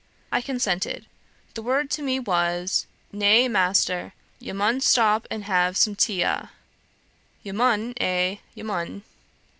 I consented. The word to me was, 'Nah, Maister, yah mun stop an hev sum te ah, yah mun, eah, yah mun.'